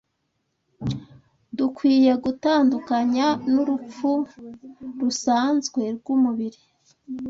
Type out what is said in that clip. dukwiye gutandukanya n’urupfu rusanzwe rw’umubiri,